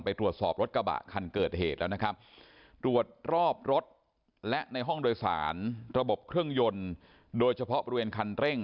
ไปตรวจสอบรถกระบะคันเกิดเหตุแล้วนะครับตรวจรอบรถและในห้องโดยสารระบบเครื่องยนต์โดยเฉพาะบริเวณคันเร่ง